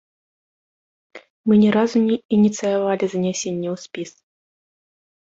Мы ні разу не ініцыявалі занясенне ў спіс.